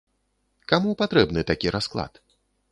Каму патрэбны такі расклад?